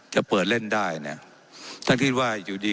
เจ้าหน้าที่ของรัฐมันก็เป็นผู้ใต้มิชชาท่านนมตรี